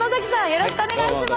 よろしくお願いします！